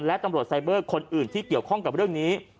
และตำรวจไซเบอร์คนอื่นที่เกี่ยวข้องกับเรื่องนี้